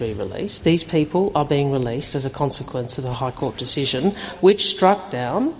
mereka dikeluarkan sebagai konsekuensi keputusan high court yang menyebabkan